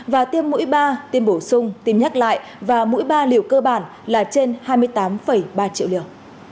và tiêm mũi ba tiêm bổ sung tiêm nhắc lại và mũi ba liều cơ bản là trên hai mươi tám ba triệu liều